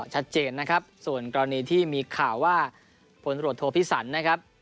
ชัดเจนนะครับส่วนกรณีที่มีข่าวว่าผลตรวจโทพิสันนะครับ